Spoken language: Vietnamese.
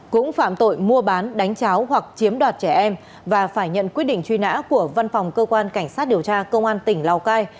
cũng phạm tội mua bán đánh cháo hoặc chiếm đoạt trẻ em và phải nhận quyết định truy nã của văn phòng cơ quan cảnh sát điều tra công an tỉnh lào cai